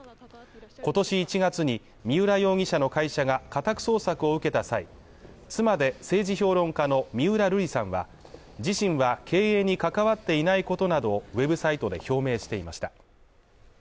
今年１月に三浦容疑者の会社が家宅捜索を受けた際、妻で政治評論家の三浦瑠麗さんは、自身は経営に関わっていないことなどをウェブサイトで表明していました。